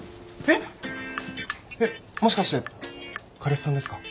えっもしかして彼氏さんですか？